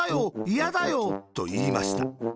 いやだよ。」と、いいました。